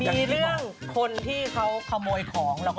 มีเรื่องคนที่เขาขโมยของ